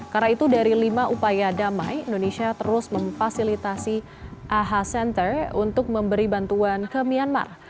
karena itu dari lima upaya damai indonesia terus memfasilitasi aha center untuk memberi bantuan ke myanmar